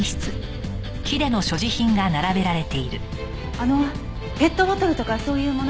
あのペットボトルとかそういうものは？